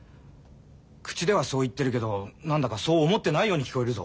口ではそう言ってるけど何だかそう思ってないように聞こえるぞ。